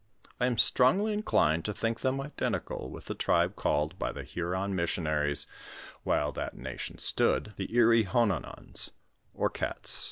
I am strongly in clined to think them identical with the tribe ealled, by the Huron missionaries, while that nation stood, the Erieehonons^ or Cats {Rd.